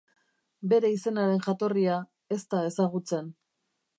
Bere izenaren jatorria, ez da ezagutzen.